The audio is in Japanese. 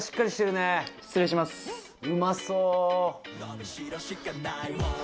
うまそう。